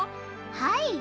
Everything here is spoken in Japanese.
はい。